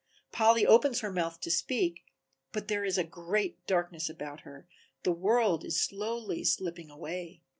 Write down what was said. Polly opens her mouth to speak, but there is a great darkness about her, the world is slowly slipping away.